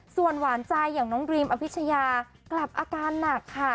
ส่วนหวานใจอย่างน้องดรีมอภิชยากลับอาการหนักค่ะ